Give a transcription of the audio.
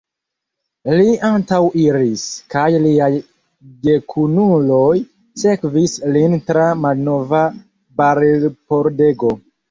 Li antaŭiris, kaj liaj gekunuloj sekvis lin tra malnova barilpordego.